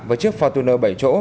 và chiếc fortuner bảy chỗ